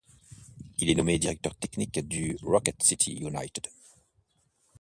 Il est aussi nommé directeur technique de Rocket City United.